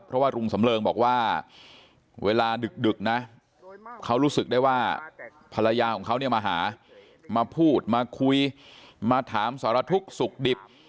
ภรรยาของเขาเนี่ยมาหามาพูดมาคุยมาถามสารทุกข์สุขดิบ